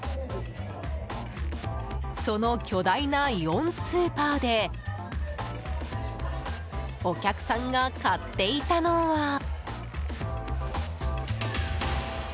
その巨大なイオンスーパーでお客さんが買っていたのは。